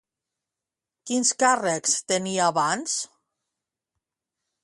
Quins càrrecs tenia abans?